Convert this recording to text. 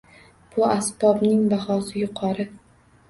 Bu asbobning bahosi yuqori